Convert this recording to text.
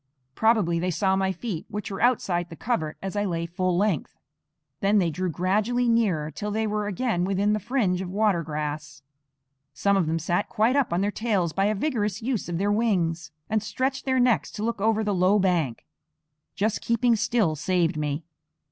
Probably they saw my feet, which were outside the covert as I lay full length. Then they drew gradually nearer till they were again within the fringe of water grass. Some of them sat quite up on their tails by a vigorous use of their wings, and stretched their necks to look over the low bank. Just keeping still saved me.